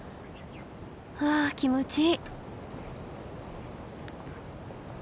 はあ気持ちいい。